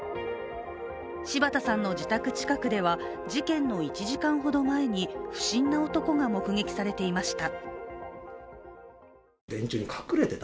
柴田さんの自宅近くでは事件の１時間ほど前に不審な男が目撃されていました。